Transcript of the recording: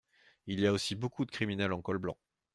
Il y a aussi beaucoup de criminels en col blanc.